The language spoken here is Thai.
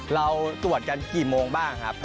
เราตรวจกันกี่โมงบ้างครับ